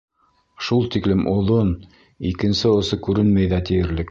Шул тиклем оҙон, икенсе осо күренмәй ҙә тиерлек.